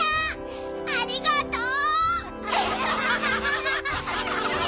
ありがとう！